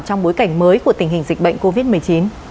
trong bối cảnh mới của tình hình dịch bệnh covid một mươi chín